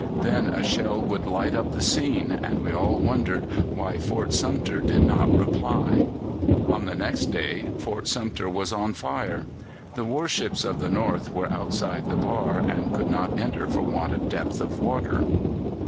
Then a shell would light up the scene, and we all wondered why Fort Sumter did not reply." On the next day Fort Sumter was on fire. The warships of the North were outside the bar, and could not enter for want of depth of water.